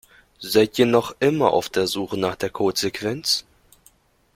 Seid ihr noch immer auf der Suche nach der Codesequenz?